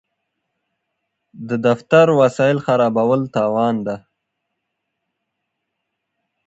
د دفتر وسایل خرابول تاوان دی.